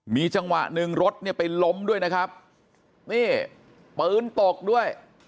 มีจังหวะหนึ่งรถเนี่ยไปล้มด้วยนะครับนี่ปืนตกด้วย